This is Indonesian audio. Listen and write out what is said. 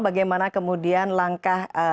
bagaimana kemudian langkah